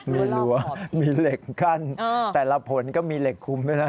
มีหลัวมีเหล็กกั้นแต่ละผลก็มีเหล็กคุมด้วยนะ